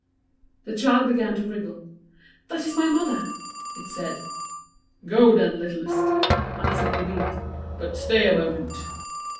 The child began to wriggle. 'That is my mother,' it said. 'Go then, littlest,' answered Gobind; 'but stay a moment.'